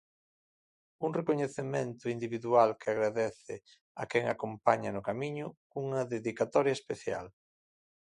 Un recoñecemento individual que agradece a quen a acompaña no camiño, cunha dedicatoria especial.